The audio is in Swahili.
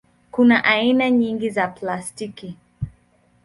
Kuna aina nyingi za plastiki.